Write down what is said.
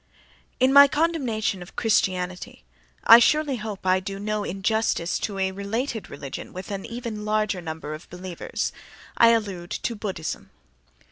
In my condemnation of Christianity I surely hope I do no injustice to a related religion with an even larger number of believers: I allude to Buddhism.